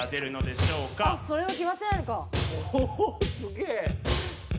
すげえ！